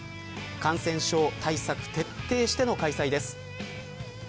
感染症対策を徹底しての開催です。